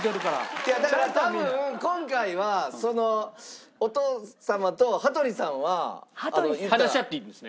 いやだから多分今回はそのお父様と羽鳥さんは。話し合っていいんですね？